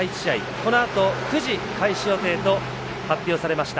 このあと、９時開始予定と発表されました。